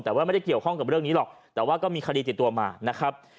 แต่ว่าไม่ได้เกี่ยวข้องกับเรื่องนี้หรอกแต่ว่าก็มีคดีติดตัวมานะครับ